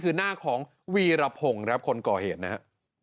คือหน้าของวีรพงศ์ครับคนก่อเหตุนะฮะ